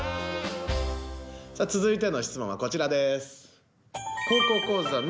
さあ続いての質問はこちらです！